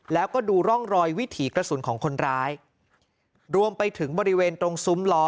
แล้วก็ดูร่องรอยวิถีกระสุนของคนร้ายรวมไปถึงบริเวณตรงซุ้มล้อ